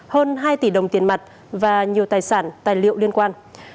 hơn hai tỷ đồng tiền mặt và nhiều tài sản tài liệu liên quan